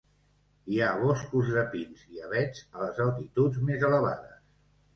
Hi ha boscos de pins i avets a les altituds més elevades.